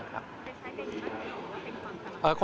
จะใช้การนี้บ้างหรือเป็นตอนตลอด